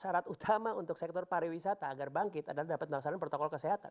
syarat utama untuk sektor pariwisata agar bangkit adalah dapat melaksanakan protokol kesehatan